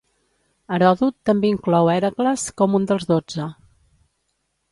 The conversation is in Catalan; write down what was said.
Heròdot també inclou Hèracles com un dels dotze.